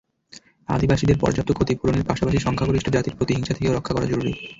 আদিবাসীদের পর্যাপ্ত ক্ষতিপূরণের পাশাপাশি সংখ্যাগরিষ্ঠ জাতির প্রতিহিংসা থেকেও রক্ষা করা জরুরি।